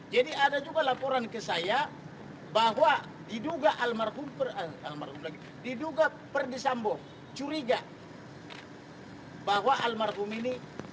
jadi ada juga laporan ke saya bahwa diduga almarhum diduga perdisambuh curiga bahwa almarhum ini